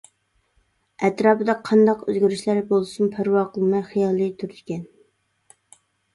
ئەتراپىدا قانداق ئۆزگىرىشلەر بولسىمۇ پەرۋا قىلماي خىيالى تۇرىدىكەن.